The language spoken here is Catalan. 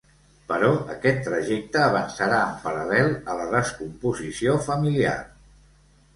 Però aquest trajecte avançarà en paral·lel a la descomposició familiar.